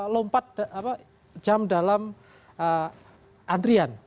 lompat jam dalam antrian